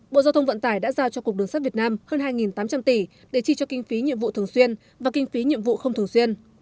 bộ giao thông vận tải đã giao cho cục đường sắt việt nam hơn hai tám trăm linh tỷ để chi cho kinh phí nhiệm vụ thường xuyên và kinh phí nhiệm vụ không thường xuyên